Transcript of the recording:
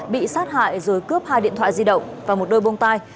bị sát hại rồi cướp hai điện thoại di động và một đôi bông tai